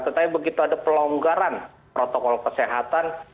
tetapi begitu ada pelonggaran protokol kesehatan